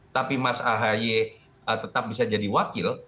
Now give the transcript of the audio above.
tapi mas ahy tetap bisa jadi wakil